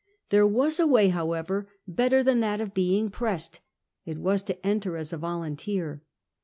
There was a way, however, better than that of being pressed: it was to enter as a volunteer.